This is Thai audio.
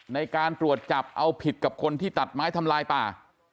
ในการตรวจจับเอาผิดกับคนที่ตัดไม้ทำลายป่า